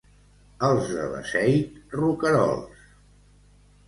Els de Beseit, roquerols.